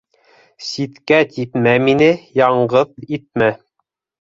Ситкә типмә мине, яңғыҙ итмә!